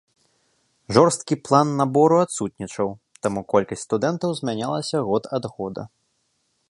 Жорсткі план набору адсутнічаў, таму колькасць студэнтаў змянялася год ад года.